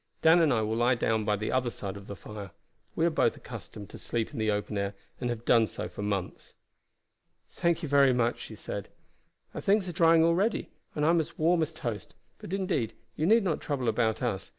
Dan and I will lie down by the other side of the fire. We are both accustomed to sleep in the open air, and have done so for months." "Thank you very much," she said. "Our things are drying already, and I am as warm as a toast; but, indeed, you need not trouble about us.